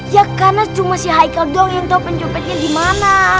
ya karena cuma si haikal doang yang tau penjumpetnya di mana